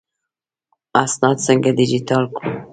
اسناد څنګه ډیجیټل کړو؟